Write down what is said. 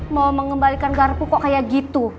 mau mengembalikan garpu kok kayak gitu